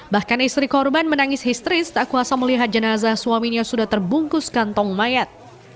bahkan istri korban menangis histeris tak kuasa melihat jenazah suaminya sudah terbungkus kantong mayat